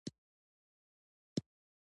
پوه مه وژنئ.